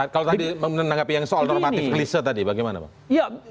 kalau tadi menanggapi yang soal normatif klise tadi bagaimana bang